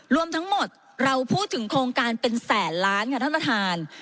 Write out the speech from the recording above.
รวมทั้งหมดเราพูดถึงโครงการเป็นแสนล้านค่ะท่านประธาน